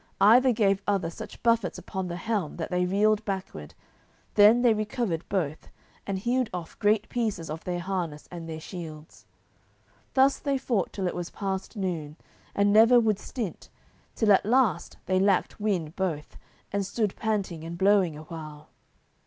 Either gave other such buffets upon the helm that they reeled backward; then they recovered both, and hewed off great pieces of their harness and their shields. Thus they fought till it was past noon, and never would stint, till at last they lacked wind both, and stood panting and blowing a while.